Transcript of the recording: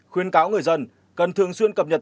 khuyên cáo người dân cần thường xuyên cập nhật